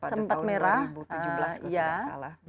sempat merah soalnya pada tahun dua ribu tujuh belas